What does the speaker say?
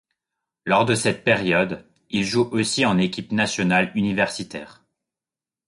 Lors de cette période, il joue aussi en équipe nationale universitaire.